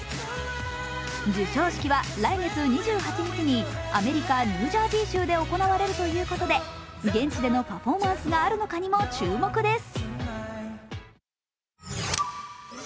授賞式は来月２８日にアメリカニュージャージー州で行われるということで現地でのパフォーマンスがあるのかにも注目です。